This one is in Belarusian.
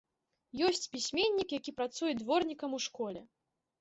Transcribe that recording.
Ёсць пісьменнік, які працуе дворнікам у школе.